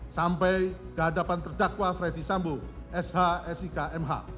sampai kehadapan terdakwa freddy sambu sh sik mh